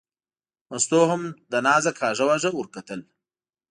مستو هم له نازه کاږه واږه ور وکتل.